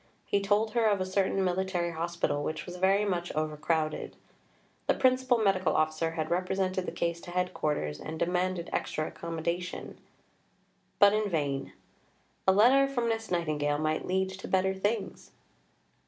He told her of a certain military hospital which was very much overcrowded. The Principal Medical Officer had represented the case to Headquarters and demanded extra accommodation, but in vain: "a letter from Miss Nightingale might lead to better things."